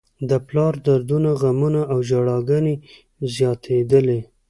د پلار دردونه، غمونه او ژړاګانې یې زياتېدلې.